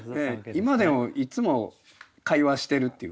今でもいつも会話してるっていう。